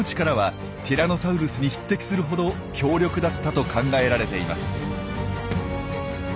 力はティラノサウルスに匹敵するほど強力だったと考えられています。